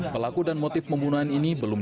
pelaku dan motif pembunuhan ini belum